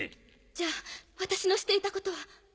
じゃあ私のしていたことは。